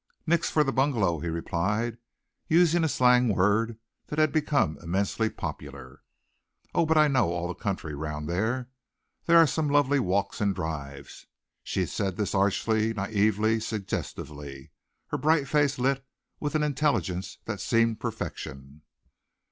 "Nix for the bungalow," he replied, using a slang word that had become immensely popular. "Oh, but I know all the country round there. There are some lovely walks and drives." She said this archly, naïvely, suggestively, her bright face lit with an intelligence that seemed perfection.